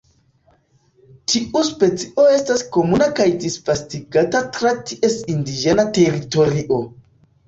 Tiu specio estas komuna kaj disvastigata tra ties indiĝena teritorio.